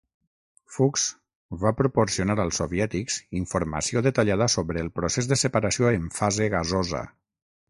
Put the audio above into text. Fuchs va proporcionar als soviètics informació detallada sobre el procés de separació en fase gasosa.